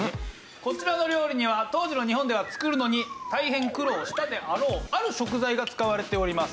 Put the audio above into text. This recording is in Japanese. こちらの料理には当時の日本では作るのに大変苦労したであろうある食材が使われております。